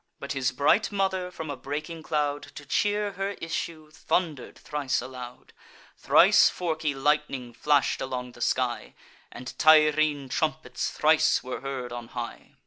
But his bright mother, from a breaking cloud, To cheer her issue, thunder'd thrice aloud; Thrice forky lightning flash'd along the sky, And Tyrrhene trumpets thrice were heard on high.